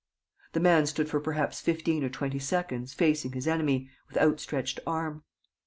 The man stood for perhaps fifteen or twenty seconds, facing his enemy, with outstretched arm.